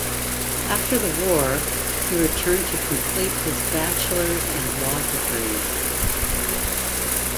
After the war, he returned to complete his bachelor's and law degrees.